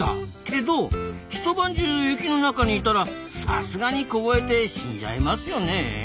けど一晩中雪の中にいたらさすがに凍えて死んじゃいますよねえ？